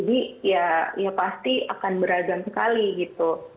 jadi ya pasti akan beragam sekali gitu